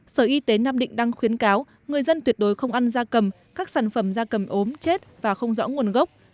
sở y tế nam định đang khuyến cáo người dân tuyệt đối không ăn da cầm các sản phẩm da cầm ốm chết và không rõ nguồn gốc